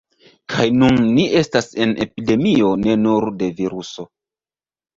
Kaj nun ni estas en epidemio ne nur de viruso